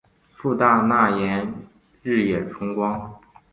父大纳言日野重光。